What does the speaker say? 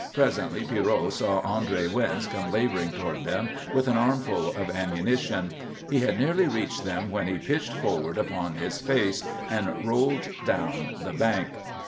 Presently Pierrot saw André Wyns come labouring toward them with an armful of ammunition. He had nearly reached them when he pitched forward upon his face and rolled down the bank.